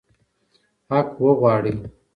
حق وغواړئ.